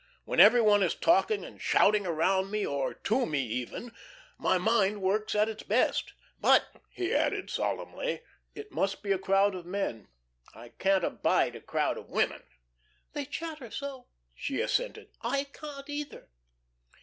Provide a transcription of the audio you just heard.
When every one is talking and shouting around me, or to me, even, my mind works at its best. But," he added, solemnly, "it must be a crowd of men. I can't abide a crowd of women." "They chatter so," she assented. "I can't either."